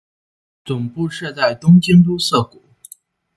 总部设在东京都涩谷。